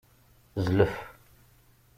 Zlef.